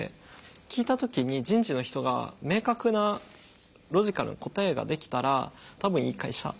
聞いた時に人事の人が明確なロジカルな答えができたら多分いい会社。